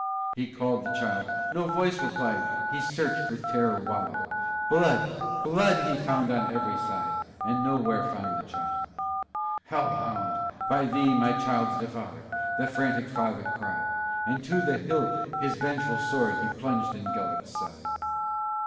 He called the child no voice replied; He searched, with terror wild; Blood! Blood! He found on every side, But nowhere found the child! "Hell hound! By thee my child's devoured!" The frantic father cried; And to the hilt his vengeful sword He plunged in Gelert's side.